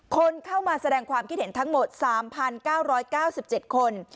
คนเข้ามาแสดงความคิดเห็นทั้งหมด๓๙๙๗คน